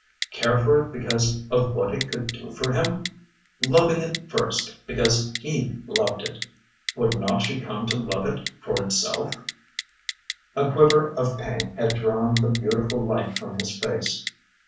Care for it because of what it could do for him? Loving it first because he loved it, would not she come to love it for itself? A quiver of pain had drawn the beautiful light from his face.